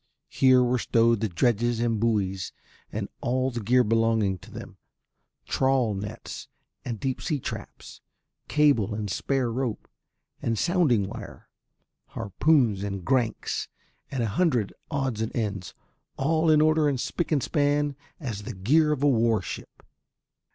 Here were stowed the dredges and buoys and all the gear belonging to them, trawl nets and deep sea traps, cable and spare rope and sounding wire, harpoons and grancs and a hundred odds and ends, all in order and spick and span as the gear of a warship.